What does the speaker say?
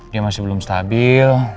dia masih belum stabil